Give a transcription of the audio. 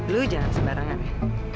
lu jangan sembarangan ya